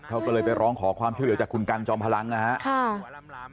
เขาก็เลยไปร้องขอความช่วยเหลือจากคุณกันจอมพลังนะครับ